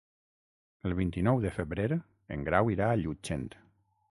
El vint-i-nou de febrer en Grau irà a Llutxent.